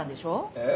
えっ？